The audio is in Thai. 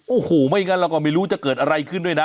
โอ้โหไม่งั้นเราก็ไม่รู้จะเกิดอะไรขึ้นด้วยนะ